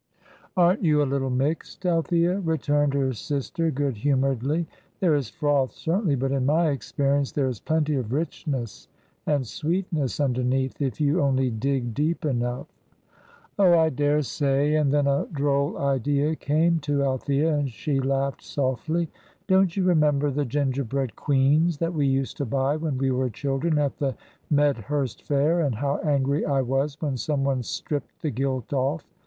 "Aren't you a little mixed, Althea?" returned her sister, good humouredly. "There is froth certainly, but in my experience there is plenty of richness and sweetness underneath, if you only dig deep enough." "Oh, I daresay;" and then a droll idea came to Althea, and she laughed softly. "Don't you remember the gingerbread queens that we used to buy when we were children at the Medhurst Fair, and how angry I was when some one stripped the gilt off.